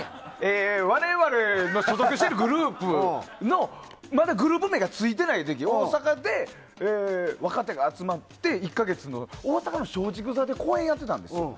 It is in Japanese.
我々の所属しているグループのまだグループ名がついていない時大阪で若手が集まって１か月、大阪の松竹座で公演をやってたんですよ。